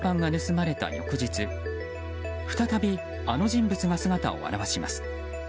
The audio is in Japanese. フランスパンが盗まれた翌日再び、あの人物が姿を現します。